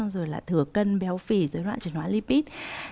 rồi là thừa cân béo phỉ rồi loại truyền hóa lipid